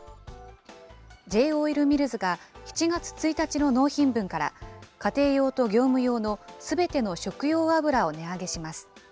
Ｊーオイルミルズが、７月１日の納品分から、家庭用と業務用のすべての食用油を値上げします。